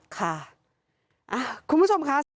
ค่ะคุณผู้ชมค่ะ